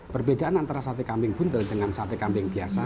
perbedaan antara sate kambing dan sate buntal